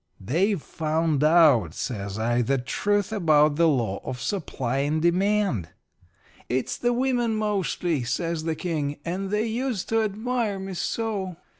"'They've found out,' says I,' the truth about the law of supply and demand.' "'It's the women, mostly,' says the King. 'And they used to admire me so!'